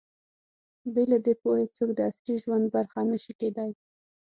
بې له دې پوهې، څوک د عصري ژوند برخه نه شي کېدای.